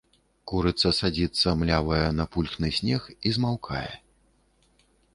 Курыца садзіцца, млявая, на пульхны снег і змаўкае.